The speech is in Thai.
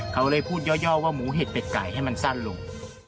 เขาเลยพูดย่อว่าหมูเห็ดเป็ดไก่ให้มันสั้นลง